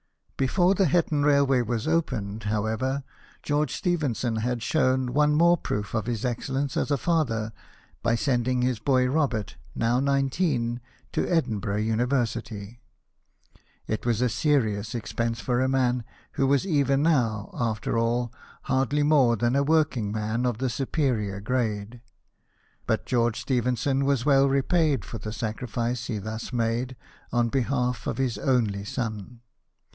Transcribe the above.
Before the Hetton railway was opened, how ever, George Stephenson had shown one more proof of his excellence as a father by sending his boy Robert, now nineteen, to Edinburgh University. It was a serious expense for a man who was even now, after all, hardly more than a working man of the superior grade ; but George Stephenson was well repaid for the sacrifice he thus made on behalf of his only son.